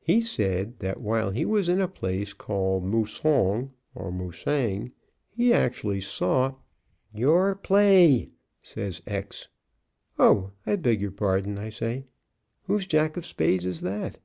He said that while he was in a place called 'Mousong,' or 'Mousang,' he actually saw " "Your play," says X. "Oh, I beg your pardon," I say, "whose jack of spades is that?"